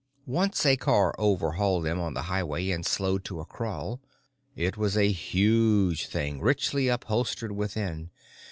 Once a car overhauled them on the highway and slowed to a crawl. It was a huge thing, richly upholstered within.